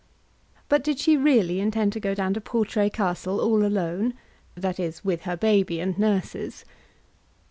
But did she really intend to go down to Portray Castle all alone; that is, with her baby and nurses?